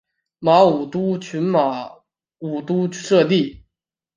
马武督群马武督社地。